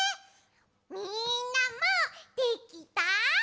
みんなもできた？